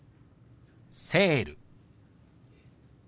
「セール」。